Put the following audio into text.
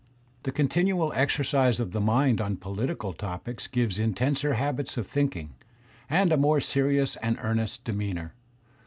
The continual exercise of the mind on political topics gives intenser habits of think ing, and a more serious and earnest demeanour.